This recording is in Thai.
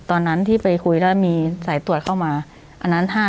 ตอนนั้นที่ไปคุยแล้วมีสายตรวจเข้ามาอันนั้น